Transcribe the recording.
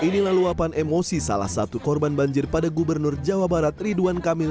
inilah luapan emosi salah satu korban banjir pada gubernur jawa barat ridwan kamil